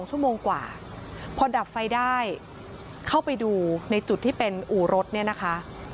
ชั่วโมงกว่าพอดับไฟได้เข้าไปดูในจุดที่เป็นอู่รถเนี่ยนะคะ